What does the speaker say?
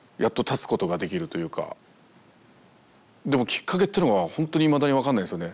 でもきっかけっていうのはほんとにいまだに分かんないですよね。